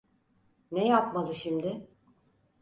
Ne yapmalı şimdi?